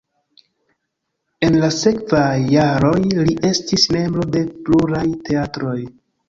En la sekvaj jaroj li estis membro de pluraj teatroj.